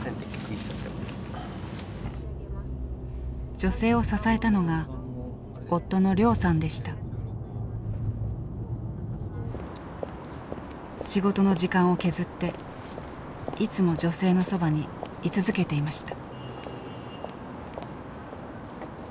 女性を支えたのが仕事の時間を削っていつも女性のそばに居続けていました。